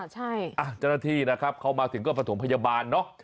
เจ้าหน้าที่เข้ามาถึงก็ประสงค์พยาบาลเนาะ